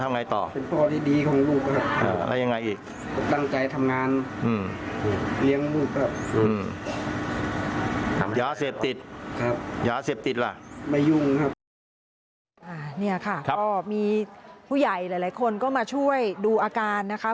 นี่ค่ะก็มีผู้ใหญ่หลายคนก็มาช่วยดูอาการนะคะ